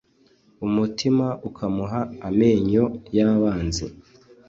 umutima ukamuha amenyo y'abanzi